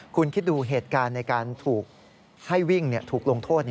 คุณคิดดูเหตุการณ์ในการถูกให้วิ่งถูกลงโทษ